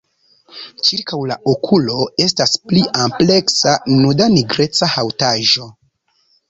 Ĉirkaŭ la okulo estas pli ampleksa nuda nigreca haŭtaĵo.